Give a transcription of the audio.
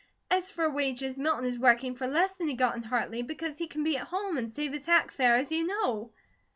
As for wages, Milton is working for less than he got in Hartley, because he can be at home, and save his hack fare, as you know."